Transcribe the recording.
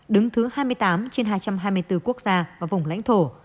đứng thứ hai mươi tám trên hai trăm hai mươi bốn quốc gia và vùng lãnh thổ